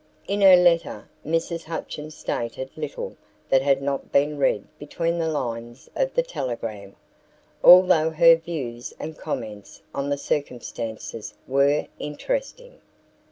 In her letter Mrs. Hutchins stated little that had not been read between the lines of the telegram, although her views and comments on the circumstances were interesting.